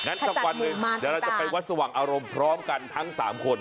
ขจัดมือมาต่างงั้นสำคัญหนึ่งเดี๋ยวเราจะไปวัดสว่างอารมณ์พร้อมกันทั้งสามคน